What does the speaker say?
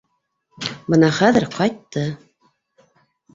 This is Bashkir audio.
Бына хәҙер ҡайтты.